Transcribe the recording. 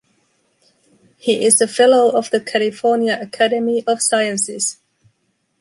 He is a fellow of the California Academy of Sciences.